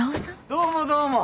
どうもどうも。